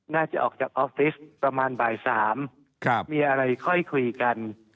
น่าจะออกจากออฟฟิศประมาณบ่าย๓มีอะไรค่อยคุยกัน